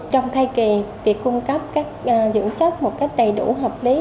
trong thai kỳ việc cung cấp các dưỡng chất một cách đầy đủ hợp lý